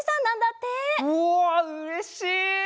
うわうれしい！